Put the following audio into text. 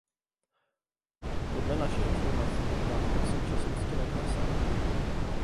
Podle našich informací poptávka v současnosti neklesá.